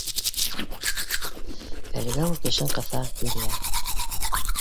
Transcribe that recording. Әлегә ул тешен кыҫа, түҙә...